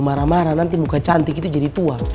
marah marah nanti muka cantik itu jadi tua